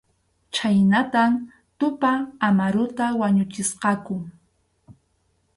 Chhaynatam Tupa Amaruta wañuchisqaku.